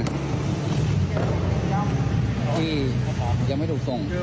ที่ยังไม่ถูกส่ง